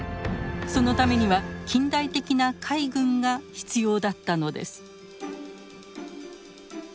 そのためには近代的な海軍が必要だったのです。